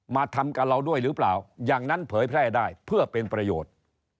มาทำกับเราด้วยหรือเปล่าอย่างนั้นเผยแพร่ได้เพื่อเป็นประโยชน์